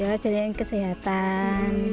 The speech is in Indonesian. ya jadi yang kesehatan